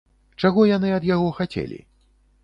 Чаго яны ад яго хацелі?